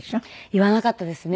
言わなかったですね。